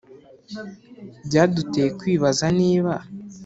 byaduteye kwibaza niba